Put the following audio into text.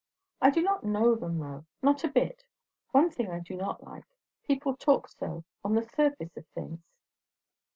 "I do not know them, though. Not a bit. One thing I do not like. People talk so on the surface of things."